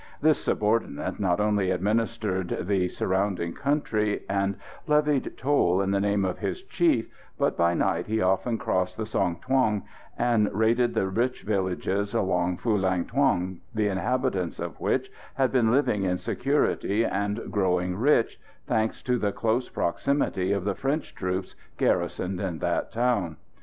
This subordinate not only administered the surrounding country, and levied toll in the name of his chief, but by night he often crossed the Song Thuong and raided the rich villages around Phulang Thuong, the inhabitants of which had been living in security and growing rich, thanks to the close proximity of the French troops garrisoned in that town.